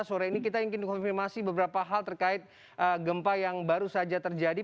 sore ini kita ingin mengkonfirmasi beberapa hal terkait gempa yang baru saja terjadi